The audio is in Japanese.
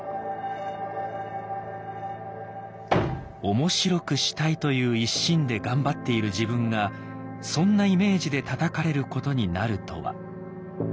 面白くしたいという一心で頑張っている自分がそんなイメージでたたかれることになるとは。